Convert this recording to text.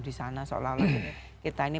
di sana seolah olah kita ini